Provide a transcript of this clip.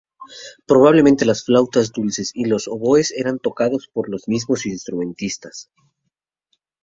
Probablemente las flautas dulces y los oboes eran tocados por los mismos instrumentistas.